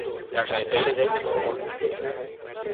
Daar zijn vele redenen voor.